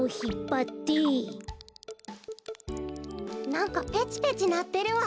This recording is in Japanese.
なんかペチペチなってるわ。